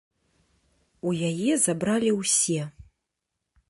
У яе забралі ўсе.